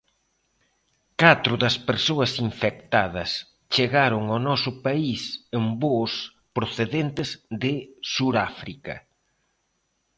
Catro das persoas infectadas chegaron ao noso país en voos procedentes de Suráfrica.